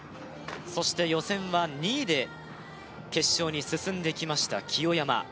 そして予選は２位で決勝に進んできました清山